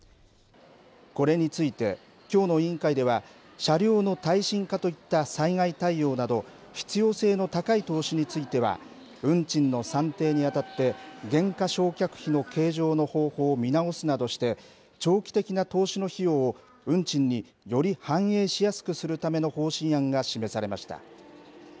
これについて、きょうの委員会では、車両の耐震化といった災害対応など、必要性の高い投資については、運賃の算定にあたって、減価償却費の計上の方法を見直すなどして、長期的な投資の費用を、運賃により反映しやすくするための方針案が示されました。